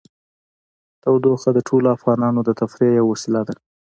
تودوخه د ټولو افغانانو د تفریح یوه وسیله ده.